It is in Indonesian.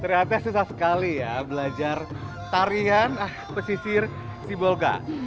ternyata susah sekali ya belajar tarian pesisir sibolga